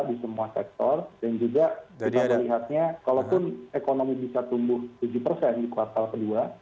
di semua sektor dan juga kita melihatnya kalaupun ekonomi bisa tumbuh tujuh persen di kuartal kedua